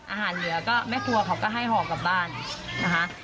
อาหารเหลือก็แม่ครัวเขาก็ให้ห่อกลับบ้านนะคะ